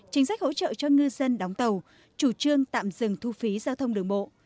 chính sách hỗ trợ cho ngư dân đóng tàu chủ trương tạm dừng thu phí giao thông đường bộ